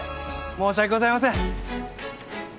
申し訳ございません。